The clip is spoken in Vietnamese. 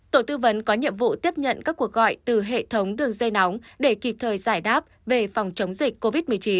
tổ tư vấn có nhiệm vụ tiếp nhận các cuộc gọi từ hệ thống đường dây nóng để kịp thời giải đáp về phòng chống dịch covid một mươi chín